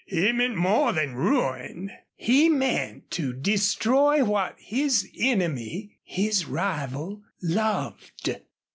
He meant more than ruin. He meant to destroy what his enemy, his rival loved.